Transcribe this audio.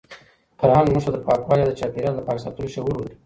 فرهنګ موږ ته د پاکوالي او د چاپیریال د پاک ساتلو شعور ورکوي.